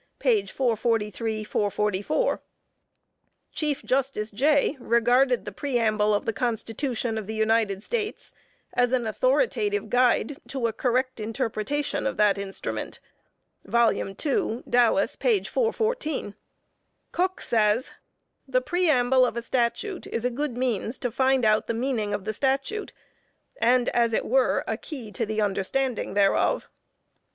_ Chief Justice Jay regarded the Preamble of the Constitution of the United States as an authoritative guide to a correct interpretation of that instrument. 2 Dallas, 414. Coke says, "The Preamble of a Statute is a good means to find out the meaning of the Statute, and as it were, a key to the understanding thereof."